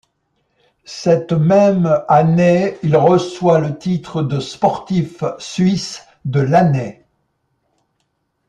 Cette même année, il reçoit le titre de Sportif suisse de l'année.